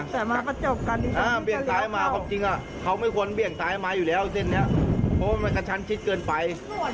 แต่มาก็จบกันจริงเบี่ยงซ้ายมาความจริงเขาไม่ควรเบี่ยงซ้ายมาอยู่แล้วเส้นนี้เพราะว่ามันกระชั้นชิดเกินไป